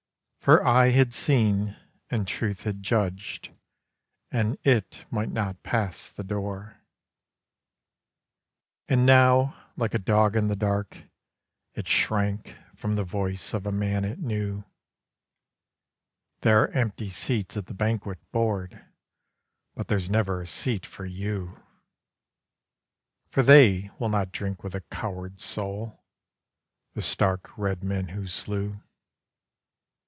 For Eye had seen; and Truth had judged ... and It might not pass the Door! And now, like a dog in the dark, It shrank from the voice of a man It knew: "There are empty seats at the Banquet board, but there's never a seat for you; For they will not drink with a coward soul, the stark red men who slew.